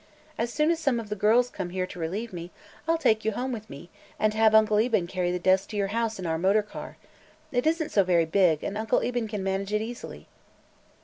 As soon as some of the girls come here to relieve me, I'll take you home with me and have Uncle Eben carry the desk to your house in our motor car. It isn't so very big, and Uncle Eben can manage it easily."